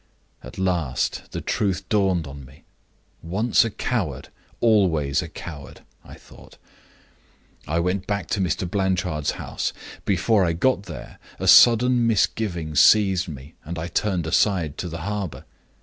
At last the truth dawned on me. 'Once a coward, always a coward,' I thought. I went back to Mr. Blanchard's house. Before I got there, a sudden misgiving seized me, and I turned aside to the harbor.